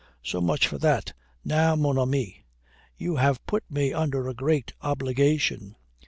So much for that. Now, mon ami, you have put me under a great obligation.